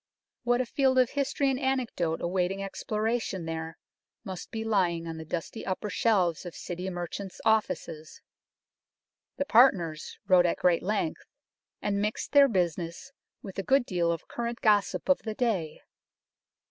What a field of history and anecdote awaiting exploration there must be lying on the dusty upper shelves of City merchants' offices. The partners wrote at great length, and mixed their business with a good deal of current gossip of the day.